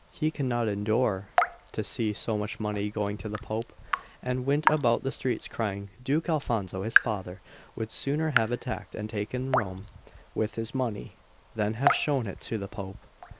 He could not endure to see so much money going to the Pope, and went about the streets crying: "Duke Alfonso, his father, would sooner have attacked and taken Rome with this money than have shown it to the Pope."